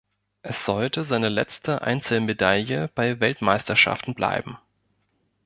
Es sollte seine letzte Einzelmedaille bei Weltmeisterschaften bleiben.